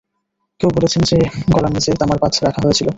কেউ বলেছেন যে, গলার নিচে তামার পাত রাখা হয়েছিল।